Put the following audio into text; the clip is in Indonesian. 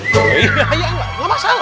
ya nggak masalah